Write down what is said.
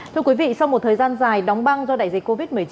thưa quý vị sau một thời gian dài đóng băng do đại dịch covid một mươi chín